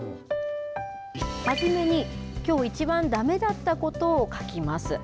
初めに、きょう一番だめだったことを書きます。